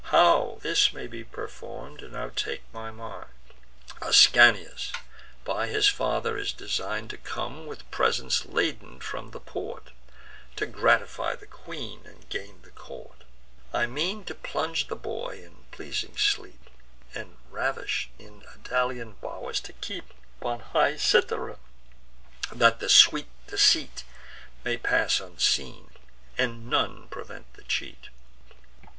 How this may be perform'd, now take my mind: Ascanius by his father is design'd To come, with presents laden, from the port, To gratify the queen, and gain the court. I mean to plunge the boy in pleasing sleep, And, ravish'd, in Idalian bow'rs to keep, Or high Cythera, that the sweet deceit May pass unseen, and none prevent the cheat.